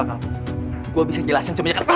kau bisa jelasin semuanya kepadamu